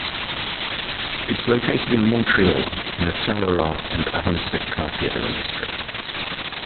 It’s located in Montréal in the Saint-Laurent and Ahuntsic-Cartierville districts.